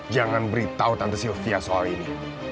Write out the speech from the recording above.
jangan beritahu tante sylvia soal ini